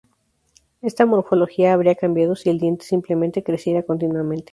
Esta morfología habría cambiado si el diente simplemente creciera continuamente.